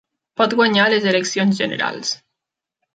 Pot guanyar les eleccions generals.